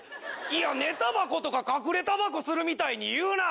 いや寝タバコとか隠れタバコするみたいに言うな！